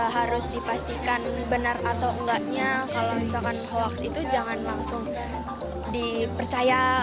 harus dipastikan benar atau enggaknya kalau misalkan hoax itu jangan langsung dipercaya